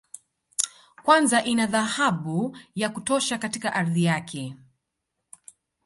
Kwanza ina dhahabu ya kutosha katika ardhi yake